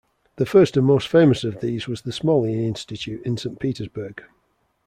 The first and most famous of these was the Smolny Institute in Saint Petersburg.